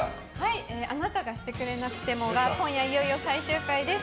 「あなたがしてくれなくても」が今夜いよいよ最終回です。